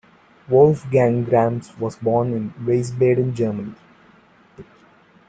Wolfgang Grams was born in Wiesbaden, Germany.